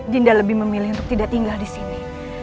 dinda lebih memilih untuk tidak tinggal disini